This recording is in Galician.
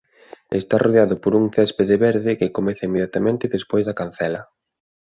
Está rodeado por un céspede verde que comeza inmediatamente despois da cancela.